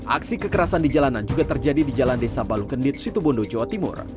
aksi kekerasan di jalanan juga terjadi di jalan desa balungkendit situbondo jawa timur